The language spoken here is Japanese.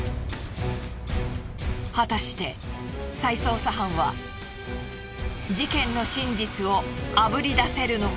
果たして再捜査班は事件の真実をあぶり出せるのか？